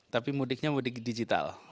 tapi mudiknya mudik digital